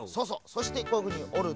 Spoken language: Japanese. そしてこういうふうにおると。